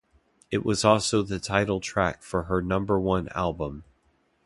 It was also the title track for her number one album.